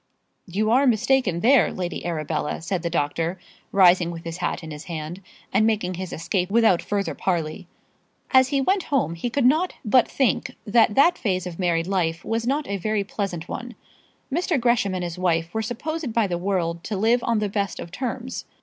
"You are mistaken there, Lady Arabella," said the doctor, rising with his hat in his hand and making his escape without further parley. As he went home he could not but think that that phase of married life was not a very pleasant one. Mr. Gresham and his wife were supposed by the world to live on the best of terms.